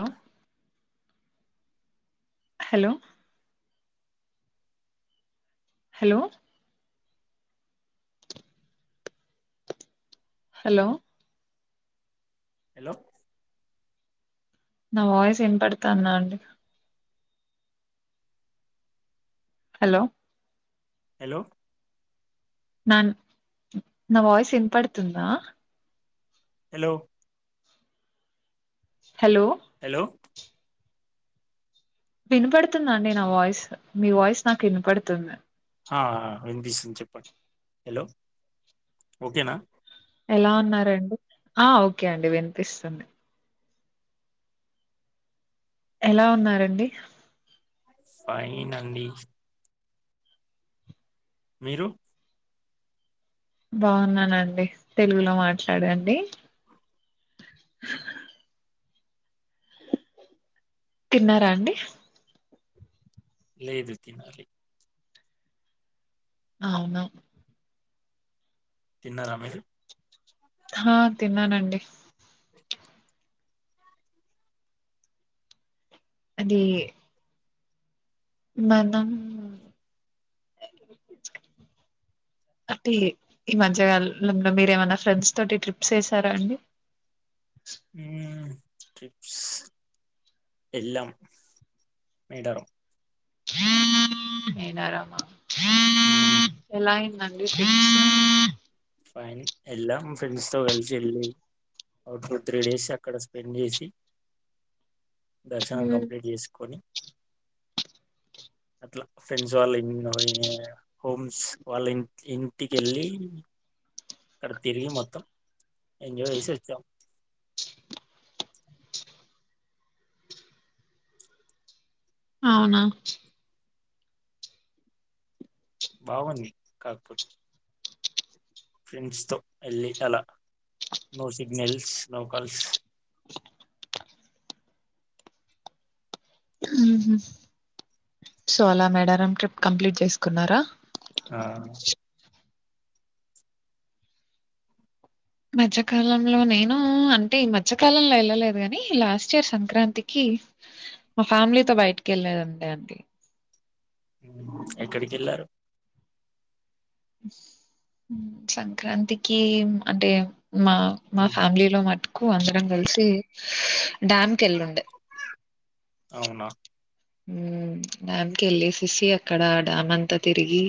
Hello hello hello hello hello నా voice ఇన్పడుతందా అండి హలో హలో నాన్ నా వాయిస్ ఇన్పడుతుందా హలో హలో హలో వినపడుతుందండి నా వాయిస్ మీ వాయిస్ నాకు వినపడుతుంది హా వినిపిస్తుంది చెప్పండి హలో ఓకేనా ఎలా ఉన్నారండి ఆ ఓకే అండి వినిపిస్తుంది ఎలా ఉన్నారండి ఫైన్ అండి మీరు బాగున్నానండి తెలుగులో మాట్లాడండి తిన్నారా అండి లేదు తినాలి అవును తిన్నరా మీరు ఆ తిన్నానండి అది మనం అటి ఈ మధ్యకాలంలో మీరేమైనా ఫ్రెండ్స్ తోటి ట్రిప్స్ ఎసారా అండి ఉ ట్రీప్స్ ఎల్లాం మీడారు నేన రమా ఉమ్ ట్రిప్ ఫైన్ ఎల్లమ్ ఫ్రెండ్స్ తో కలిసేల్లి ఓ టు త్రీ డేస్ అక్కడ స్పెండ్ చేసి దర్శనం ఉ కంప్లీట్ చేసుకొని అట్లా ఫ్రెండ్స్ వల్ల ఇన్ [unintelligible] హోమ్స్ వాల్ల ఇన్ ఇంటికెళ్ళి అక్కడ తిరిగి మొత్తం ఎంజోచేసి వచ్చాం అవునా బాగుంది కాకపోతు ఫ్రెండ్స్ తో వెళ్ళి అలా నో సిగ్నల్స్ నో కాల్స్ ఆహా సో అలా మేడారం ట్రిప్ కంప్లీట్ చేసుకున్నారా ఆ మధ్యకాలంలో నేను అంటే ఈ మధ్యకాలంలో ఎళ్ళలేదు గని లాస్ట్ ఇయర్ సంక్రాంతికి మా ఫ్యామిలీతో బయటికి ఎళ్ళలేదండి అంతే ఎక్కడికెళ్ళారు. సంక్రాంతికి అంటే మా మా ఫ్యామ్లీలో మట్టుకు అందరం కల్సి డ్యామ్ కెల్లుండే అవునా మ్ డ్యామ్కి ఎళ్ళేసేసి అక్కడ డ్యామ్ అంతా తిరిగి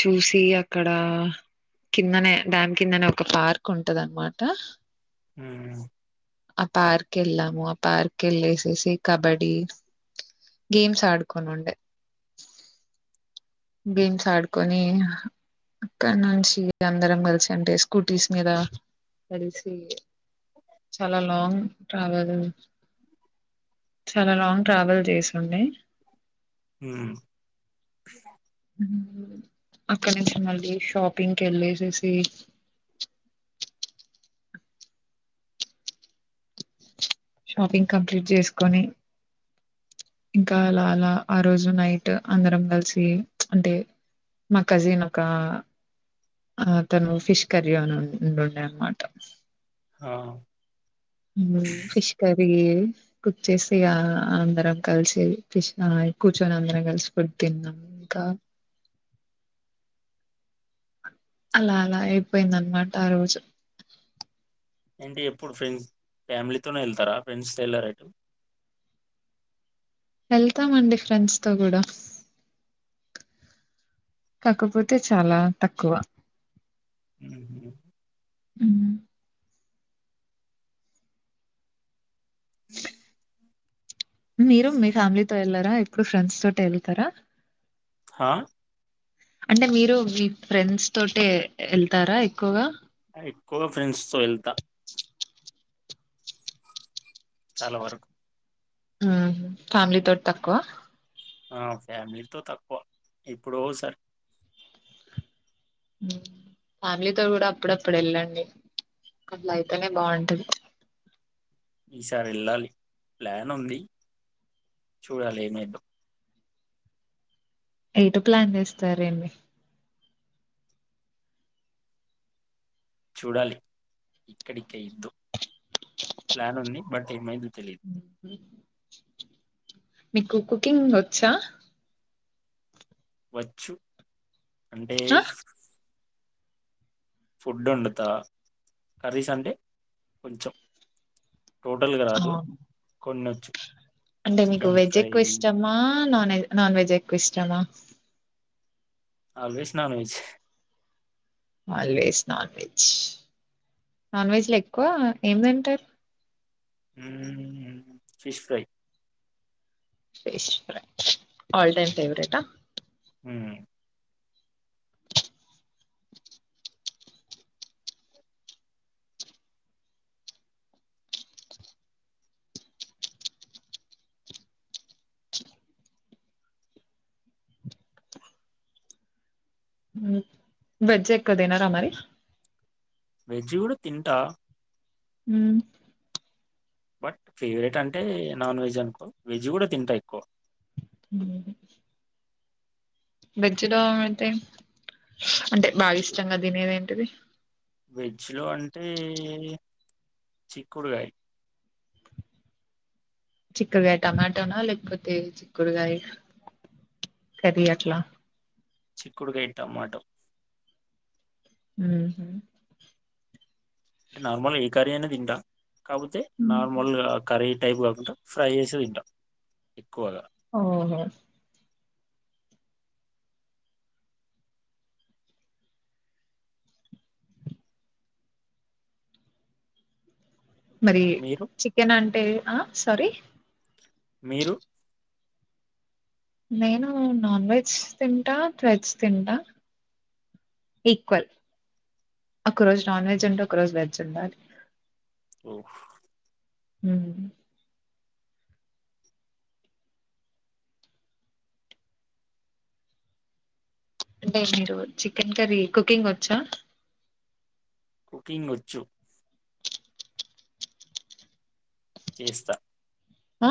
చూసి అక్కడ కిందనే డ్యామ్ కిందనే ఒక పార్క్ ఉంటదన్నమాట హ్ ఆ పార్కెళ్ళము ఆ పార్క్ కెళ్ళేసేసి కబడీ గేమ్స్ ఆడుకోనుండే గేమ్స్ ఆడుకొని అక్కడ్నుంచి ఇగ అందరం కల్సి అంటే స్కూటీస్ మీద కలిసి చాలా లాంగ్ ట్రావెల్ చాలా లాంగ్ ట్రావెల్ చేసుండే మ్ అక్కడ్నుంచి మళ్ళీ షాపింగ్కెళ్ళేసేసి షాపింగ్ కంప్లీట్ చేస్కొని ఇంకా అలా అలా ఆ రోజు నైట్ అందరం కల్సి అంటే మా కజిన్ ఒక ఆ తను ఫిష్ కర్రీ అని ఉండుండే అన్మాట ఆ ఫిష్ కర్రీ కుక్ చేసి ఆ అందరం కలిసి ఫిష్ కూర్చొని అందరం కల్సి ఫుడ్ తిన్నాం. ఇంకా అలా అలా ఇయిపోయిన్దన్మాట ఆ రోజు ఏంటి ఎప్పుడు ఫ్రెండ్స్ ఫ్యామిలీతోనే ఎళ్తరా ఫ్రెండ్స్ ఎళ్లారా ఎటు వెళ్తామండి ఫ్రెండ్స్తో గుడా కాకపోతే చాలా తక్కువ హ్ ఉ అ మీరు మీ ఫ్యామిలీతో ఎల్లరా ప్పుడు ఫ్రెండ్స్తోటే ఎళ్తరా హ అంటే మీరు మీ ఫ్రెండ్స్తోటే ఎళ్తారా ఎక్కువగా ఎక్కువ ఫ్రెండ్స్తో ఎళ్తా చాలా వరకు ఫ్యామిలీ తోటి తక్కువ ఆ ఫ్యామిలీతో తక్కువ ఎప్పుడోసార్ ఫ్యామిలీతో గుడా అప్పుడప్పుడ్ ఎళ్ళండి అట్ల అయితేనే బాగుంటది ఈసారి వెళ్ళాలి ప్లాన్ ఉంది చూడాలి ఏమైద్దో ఎటు ప్లాన్ చేస్తారండి చూడాలి ఎక్కడికైద్దో ప్లాన్ ఉంది బట్ ఏమై మీకు కుకింగ్ వచ్చా వచ్చు. అంటే ఆ ఫుడ్ వండుతా కర్రీస్ అంటే కొంచం టోటల్గ రాదు అవును. కొన్ని అంటే మీకు చికెన్ వెజ్ ఫ్రై ఎక్కువ ఇష్టమా నాన్ వెెజ్ నాన్ వెెజ్ ఎక్కువ ఇష్టమా always non veg always non veg non veg లో ఎక్కువ ఏమి తింటారు fish fry fish fry all time favourite ఆ హుమ్మ్ వెజ్ ఎక్కువ తినర మరి వెెజీ కూడ తింటా హుమ్మ్ బట్ ఫేవరెట్ అంటే నాన్ వెజ్ అనుకో వెజ్ కూడా తింటా ఎక్కువ అ వెజ్జ్ లో అయితే అంటే బాగా ఇష్టంగా తినేది ఏంటిది వెజ్ లో అంటే చిక్కుడుకాయ చిక్కుడుగాయ టమాటోనా లేకపోతే చిక్కుకిగాయ కర్రీ అట్లా చిక్కుడుకయ్ టమాట హ అంటే నార్మల్ ఏ కర్రీ అయినా తింటా కాకపోతే నార్మల్గా కర్రీ టైప్ కాకుండా ఫ్రై చేస్తే తింటాం ఎక్కువగా ఓహో మరి మీరు చికెన్ అంటే ఆ సారీ మీరు నేను నాన్ వెజ్ తింటా వెజ్ తింటా ఈక్వల్ ఒక రోజ నాన్ వెజ్ అంట ఒక రోజు వెజ్ చెడా ఓ హ అంటే మీరు చికెన్ కర్రీ కుకింగ్ వచ్చా కుకింగ్ వచ్చు చేస్తా ఆ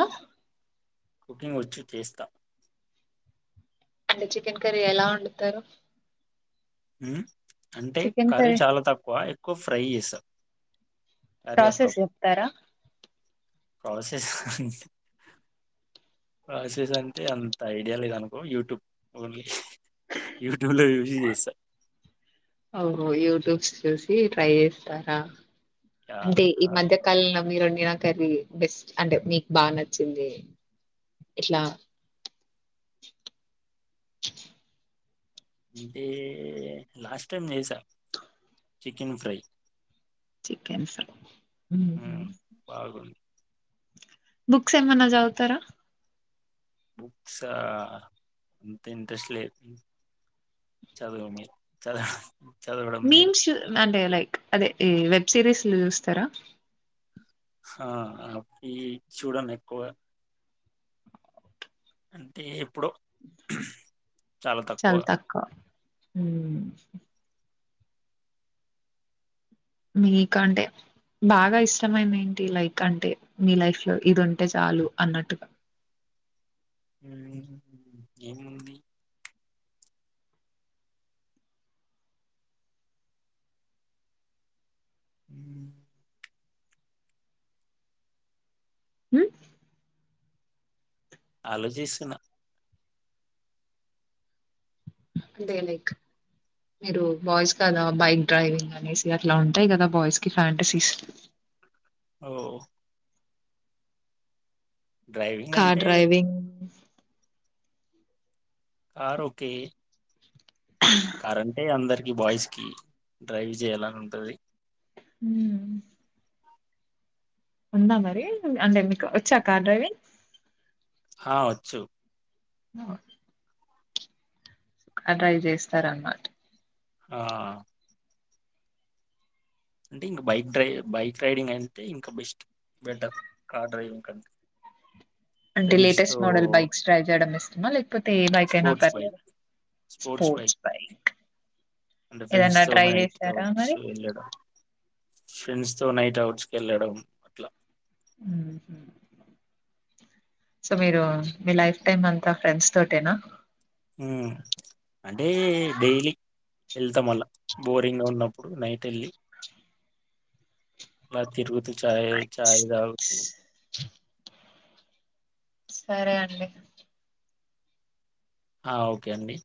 కుకింగ్ వచ్చు చేస్తా అంటే చికెన్ కర్రీ ఎలా వండుతారు హ అంటే కర్రీ చాలా తక్కువ ఎక్కువ ఫ్రై చేసారు ప్రాసెస్ చెప్తారా ప్రసేస్ ప్రసెస్ అంటే అంత ఐడియా లేదు అనుకో యూట్యూబ్ ఓన్లీ యూట్యూబ్ లో చూసి చేస్తా ఓహో యూట్యూబ్స్ చూసి ట్రై చేస్తారా యాహ్! అంటే ఈ ఆ! మధ్య కాలంలో మీరు మీనాకర్రీ బెస్ట్ అంటె మీక్ బా నచ్చింది ఇట్లా అంటే లాస్ట్ టైమ్ చేసా చికెన్ ఫ్రై చికెన్ ఫ్ర్ మ్ హ్మ్. బాగుంది. బుక్స్ ఏమన్నా జవుతారా బుక్సా అంత ఇంట్రెస్ట్ లేదు చదువ మీ చ మీన్స్ అంటేలైక్ అదే ఈ వెబ్ సిరీస్లు చూస్తారా హా అవ్వి చూడన్ ఎక్కువ అంటే ఎప్పుడో చాలా తక్కువ. చాల్ తక్వ హ్మ్ మీకంటే బాగా ఇష్టమైంది ఏంటి లైక్ అంటే మీ లైఫ్ లో ఇది ఉంటే చాలు అన్నట్టుగా మ్హ్ ఏముంది మ్ హ్మ్ ఆలోచిసున అంటే లైక్ మీరు బాయ్స్ కదా బైక్ డ్రైవింగ్ అనేసి అట్లా ఉంటాయి ఖదా బాయ్స్ కి ఫ్యాంటసీస్ ఓ డ్రైవింగ్ కార్ అంటే డ్రైవింగ్ కార్ ఒకే కార్ అంటే అందరికి బాయ్స్ కి డ్రైవ్ జెయ్యాలనుంటది హుం ఉందా మరి అంటే మీకు వచ్చా కార్ డ్రైవింగ్ హా వచ్చు ఆ అ డ్రైవ్ చేస్తరన్మాట ఆ అంటే ఇంక బైక్ డ్రై బైక్ డ్రైవింగ్ అంటే ఇంకా బెస్ట్ బెటర్ కార్ డ్రైవింగ్ కంటె అంటే లేటెస్ట్ మోడల్ బైక్స్ ట్రై చేయడం ఇస్తమా లేకపోతే ఏ బైక్ అయినా స్పోర్ట్స్ బైక్ పర్లేదా? స్పోర్ట్స్ బైక్ అంటే ఫ్రెండ్స్ ఏదన్నా తో ట్రై నైట్ చేసారా అవుట్స్ మరి వెళ్ళడం ఫ్రెండ్స్ తో నైట్ అవుట్స కెళ్ళడం అట్ల సొ మీరు మీ లైఫ్ టైమ్ అంతా ఫ్రెండ్స్ తోటేనా హుం అంటే డైలీ ఎళ్తం అలా బోరింగ్ ఉన్నప్పుడు నైట్ ఎళ్ళి మ తిరుగుతి చాయ్ నైస్ చాయ్ దాగు నైస్ సరే అండి ఆ ఓకే అండి